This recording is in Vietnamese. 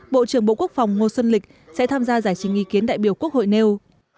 bộ trưởng bộ quốc phòng ngô xuân lịch sẽ tham gia giải trình ý kiến đại biểu quốc hội nêu